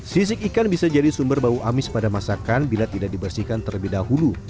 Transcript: sisik ikan bisa jadi sumber bau amis pada masakan bila tidak dibersihkan terlebih dahulu